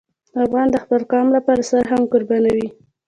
افغان د خپل قوم لپاره سر هم قربانوي.